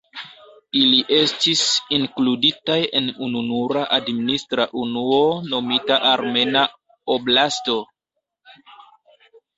Ili estis inkluditaj en ununura administra unuo nomita Armena Oblasto.